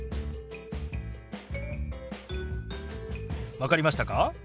分かりましたか？